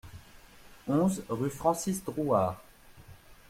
onze rue Francis Drouhard